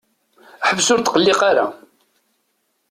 Ḥbes ur tqelliq ara.